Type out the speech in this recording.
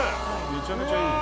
めちゃめちゃいい。